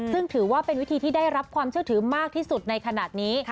ซึ่งถือว่าเป็นวิธีที่ได้รับความเชื่อถือมากที่สุดในขณะนี้